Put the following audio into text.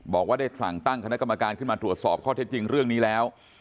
บอกว่าได้สั่งตั้งคณะกรรมการขึ้นมาตรวจสอบข้อเท็จจริงเรื่องนี้แล้ว